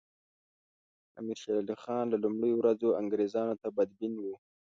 امیر شېر علي خان له لومړیو ورځو انګریزانو ته بدبین وو.